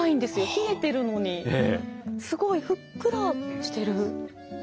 冷えてるのにすごいふっくらしてる。